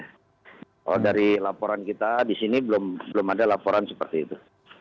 kalau dari laporan kita di sini belum ada laporan seperti itu